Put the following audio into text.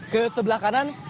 ke sebelah kanan